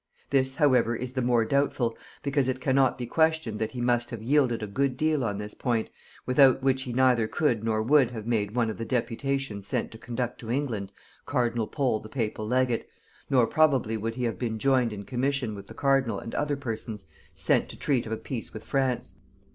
This however is the more doubtful, because it cannot be questioned that he must have yielded a good deal on this point, without which he neither could nor would have made one of a deputation sent to conduct to England cardinal Pole the papal legate, nor probably would he have been joined in commission with the cardinal and other persons sent to treat of a peace with France.